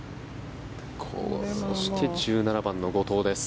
そして１７番の後藤です。